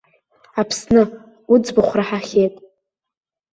Аԥсны, уӡбахә раҳахьеит.